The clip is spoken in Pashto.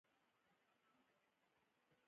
چپتیا، د عزت لاره ده.